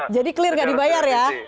jadi clear nggak dibayar ya